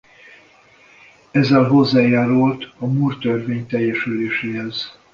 Ezzel hozzájárult a Moore-törvény teljesüléséhez.